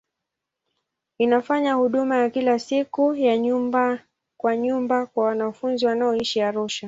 Inafanya huduma ya kila siku ya nyumba kwa nyumba kwa wanafunzi wanaoishi Arusha.